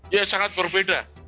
iya sangat berbeda